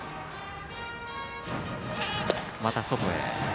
また外へ。